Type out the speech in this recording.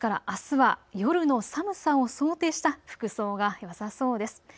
あすは夜の寒さを想定した服装がよさそうです。